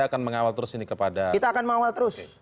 akan mengawal terus ini kepada kita akan mengawal terus